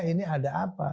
ini ada apa